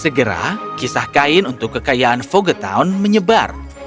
segera kisah kain untuk kekayaan foggetown menyebar